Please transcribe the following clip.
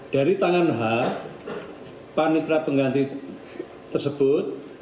dari tangan h panik terapengganti tersebut